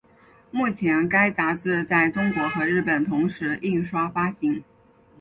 目前该杂志在中国和日本同时印刷发行。